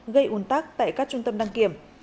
gây ồn tắc tại các trung tâm đăng kiểm